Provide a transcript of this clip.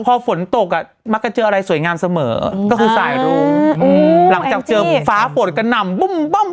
พอฝนตกมักจะเจออะไรสวยงามเสมอก็คือสายรุง